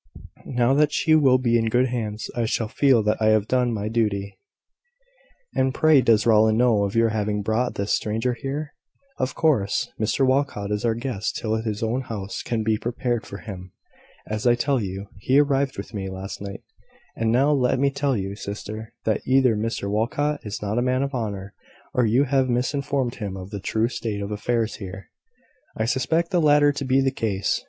Now that she will be in good hands, I shall feel that I have done my duty." "And, pray, does Rowland know of your having brought this stranger here?" "Of course. Mr Walcot is our guest till his own house can be prepared for him. As I tell you, he arrived with me, last night." "And now let me tell you, sister, that either Mr Walcot is not a man of honour, or you have misinformed him of the true state of affairs here: I suspect the latter to be the case.